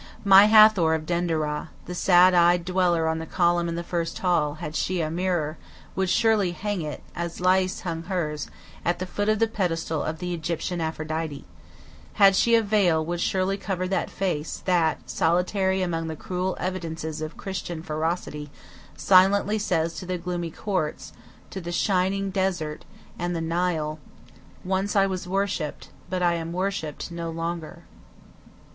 My Hathor of Denderah, the sad eyed dweller on the column in the first hall, had she a mirror, would surely hang it, as Lais hung hers, at the foot of the pedestal of the Egyptian Aphrodite; had she a veil, would surely cover the face that, solitary among the cruel evidences of Christian ferocity, silently says to the gloomy courts, to the shining desert and the Nile: "Once I was worshipped, but I am worshipped no longer."